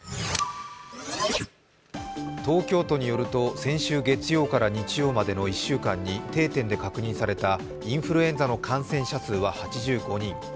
東京都によると先週月曜から日曜までの１週間に定点で確認されたインフルエンザの感染者数は８５人。